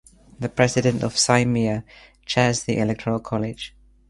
The president of the Saeima chairs the electoral college.